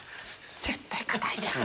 絶対硬いじゃん。